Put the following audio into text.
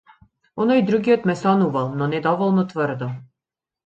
Оној другиот ме сонувал, но недоволно тврдо.